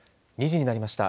２時になりました。